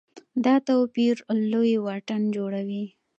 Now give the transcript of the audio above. دا توپیر لوی واټن جوړوي.